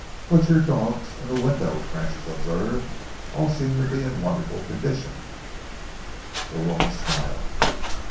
"But your dogs in the window," Francis observed, "all seem to be in wonderful condition." The woman smiled.